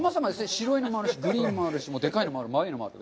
白いのもあるし、グリーンのもある、でかいのもある、丸いのもある。